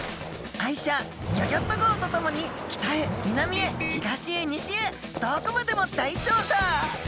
愛車ギョギョッと号と共に北へ南へ東へ西へどこまでも大調査！